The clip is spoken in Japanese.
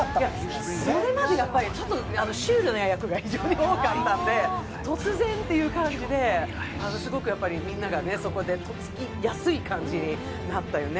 それまでやっぱりちょっとシュールな役が非常に多かったので、突然という感じで、すごくみんながそこでとっつきやすい感じになったよね。